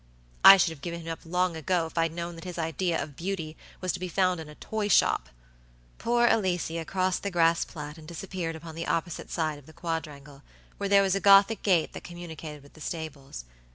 I should have given him up long ago if I'd known that his idea of beauty was to be found in a toy shop." Poor Alicia crossed the grass plat and disappeared upon the opposite side of the quadrangle, where there was a Gothic gate that communicated with the stables.